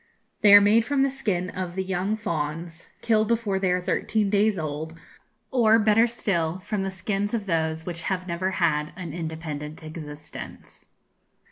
They are made from the skin of the young fawns, killed before they are thirteen days old, or, better still, from the skins of those which have never had an independent existence.